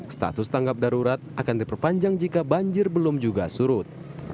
status tanggap darurat akan diperpanjang jika banjir belum juga surut